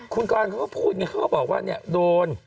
คุณกรานเขาก็พูดเขาก็บอกว่าโดน